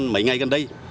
mấy ngày gần đây